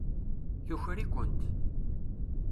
Tuker-ikent.